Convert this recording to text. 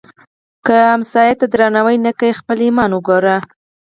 که ګاونډي ته درناوی نه کوې، خپل ایمان وګوره